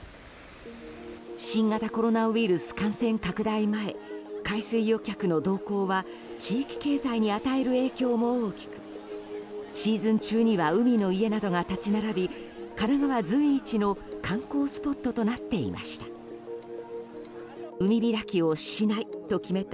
新型コロナウイルス感染拡大前海水浴客の動向は地域経済に与える影響も大きくシーズン中には海の家などが立ち並び神奈川随一の観光スポットとなっていました。